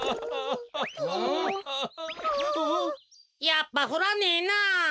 やっぱふらねえな。